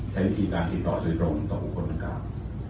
ใช้วิธีการติดต่อสวยตรงต่อผู้คนการ